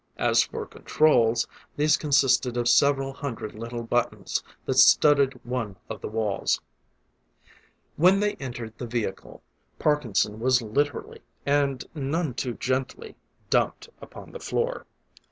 As for controls, these consisted of several hundred little buttons that studded one of the walls. When they entered the vehicle, Parkinson was literally, and none too gently, dumped upon the floor.